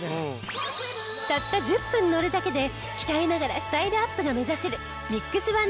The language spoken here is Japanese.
たった１０分乗るだけで鍛えながらスタイルアップが目指せるミックス